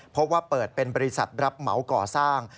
เพราะว่าเปิดเป็นบริษัทรับเหมาก่อสร้าง